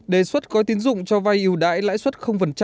đề xuất có tín dụng cho vay ưu đại lãi suất